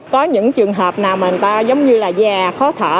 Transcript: có những trường hợp nào mà người ta giống như là già khó thở